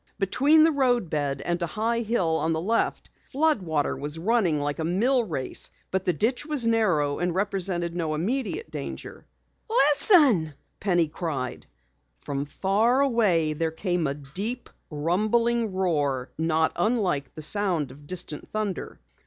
Between the road bed and a high hill on the left, flood water was running like a mill race, but the ditch was narrow and represented no immediate danger. "Listen!" Penny cried. From far away there came a deep, rumbling roar not unlike the sound of distant thunder.